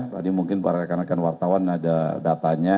tadi mungkin para rekan rekan wartawan ada datanya